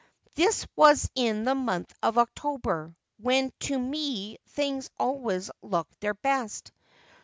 This was in the month of October, when to me things always look their best.